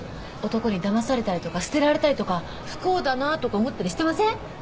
男にだまされたりとか捨てられたりとか不幸だなとか思ったりしてません？